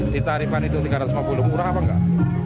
di tarifan itu tiga ratus lima puluh murah apa enggak